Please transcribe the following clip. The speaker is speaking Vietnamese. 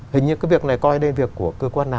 hình như cái việc này coi đây việc của cơ quan nào